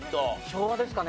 昭和ですかね。